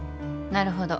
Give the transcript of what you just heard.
なるほど。